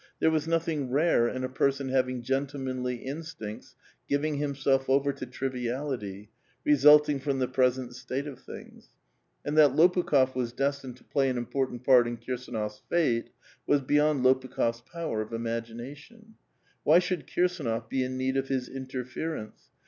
There was nothing rare in a person having gentlemanly instincts giving himself over to triviality, resulting from the present state of things. And that Lopukh6f wns destined to play an important part in Kirsdnof's fate was beyond Lopukh6f' s power of imagination. Why should Kirsdnof be in need of his interference?